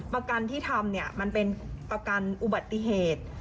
ประกันที่ทำเนี่ยมันเป็นประกันอุบัติเหตุ